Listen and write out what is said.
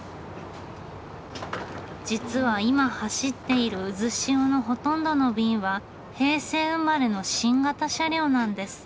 実は今走っているうずしおのほとんどの便は平成生まれの新型車両なんです。